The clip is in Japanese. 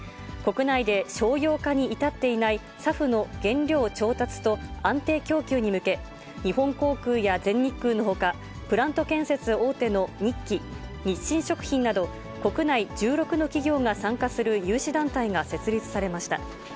国内で商用化に至っていないＳＡＦの原料調達と安定供給に向け、日本航空や全日空のほか、プラント建設大手の日揮、日清食品など、国内１６の企業が参加する有志団体が設立されました。